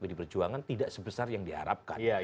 jadi pdi perjuangan tidak sebesar yang diharapkan